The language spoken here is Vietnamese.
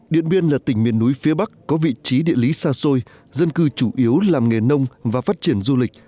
điện biên là tỉnh miền núi phía bắc có vị trí địa lý xa xôi dân cư chủ yếu làm nghề nông và phát triển du lịch